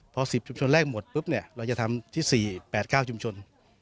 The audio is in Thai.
พอ๑๐ชุมชนแรกหมดปุ๊บเนี่ยเราจะทำที่๔๘๙ชุมชน